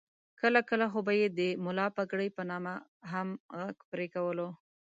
کله کله خو به یې د ملا پګړۍ په نامه غږ هم پرې کولو.